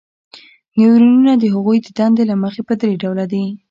نیورونونه د هغوی د دندې له مخې په درې ډوله دي.